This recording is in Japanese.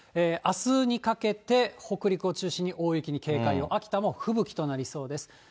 あすにかけて、北陸を中心に大雪に警戒を、秋田も吹雪となりそうです。